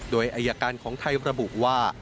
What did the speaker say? โดยอายการของไทยระบุว่า